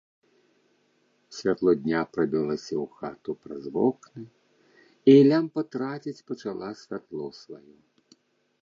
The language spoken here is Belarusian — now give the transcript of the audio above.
Святло дня прабілася ў хату праз вокны, і лямпа траціць пачала святло сваё.